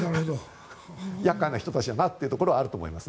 厄介な人たちだなというところはあると思います。